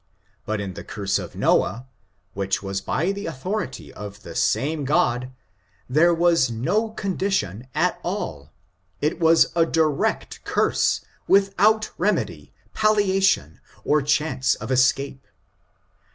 But in the curse of Noah, which was by the authority of the same God, there was no condition at all, it was a di rect curse, without remedy, palliation, or chance of escape.